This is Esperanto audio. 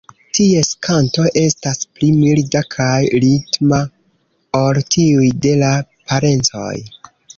Ties kanto estas pli milda kaj ritma ol tiuj de la parencoj.